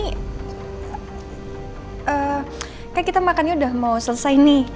kayaknya kita makannya udah mau selesai nih